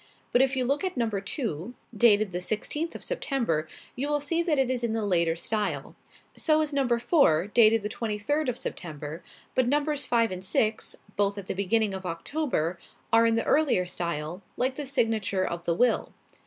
But if you look at number two, dated the sixteenth of September, you will see that it is in the later style. So is number four, dated the twenty third of September; but numbers five and six, both at the beginning of October, are in the earlier style, like the signature of the will.